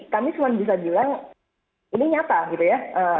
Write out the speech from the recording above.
tapi bisa dibilang ini nyata gitu ya